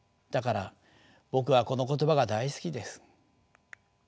だから僕はこの言葉が大好きです。